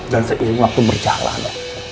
dan seiring waktu berjalan